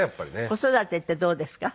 子育てってどうですか？